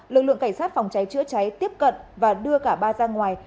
lực lượng cảnh sát phòng cháy chữa cháy tiếp cận và đưa cả ba ra ngoài